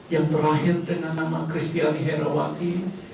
yang terakhir dengan nama kristiani herawati